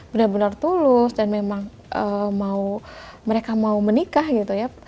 benar benar tulus dan memang mereka mau menikah gitu ya